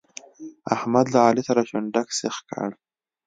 احمد له علي سره شونډک سيخ کړ.